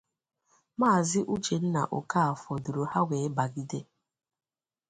Maazị Uchenna Okafor duru ha wee bàgide